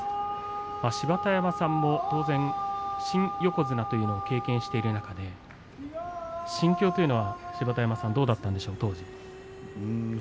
芝田山さんも当然新横綱というのを経験している中で心境というのはどうだったんでしょうか、当時。